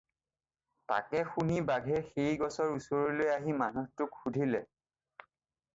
তাকে শুনি বাঘে সেই গছৰ ওচৰলৈ আহি মানুহটোক সুধিলে